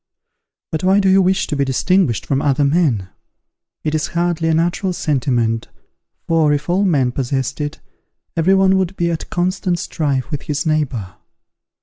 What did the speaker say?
But why do you wish to be distinguished from other men? It is hardly a natural sentiment, for, if all men possessed it, every one would be at constant strife with his neighbour.